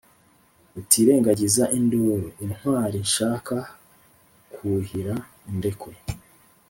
rutirengagiza induru, intwali nshaka kwuhira indekwe.